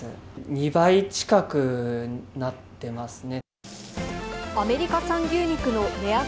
２倍近くになってますね。